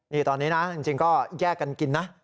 นี่ตอนนี้นะจริงก็แยกกันกินนะ